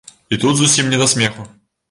І тут зусім не да смеху.